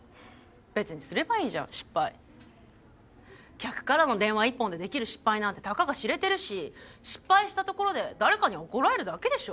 客からの電話一本でできる失敗なんてたかが知れてるし失敗したところで誰かに怒られるだけでしょ？